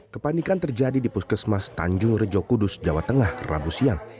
kepanikan terjadi di puskesmas tanjung rejo kudus jawa tengah rabu siang